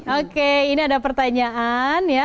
oke ini ada pertanyaan ya